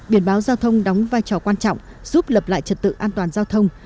biển báo giao thông đóng vai trò quan trọng giúp lập lại trật tự an toàn giao thông